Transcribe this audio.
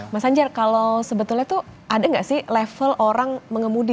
mas anjar kalau sebetulnya tuh ada nggak sih level orang mengemudi